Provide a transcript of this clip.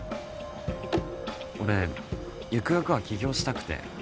俺ゆくゆくは起業したくて。